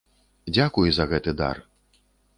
Дзякуй за гэты дар.